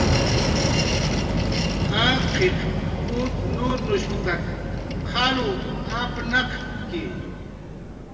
"Jaqiq ut nurnushp""tak qalw apnaq""ki "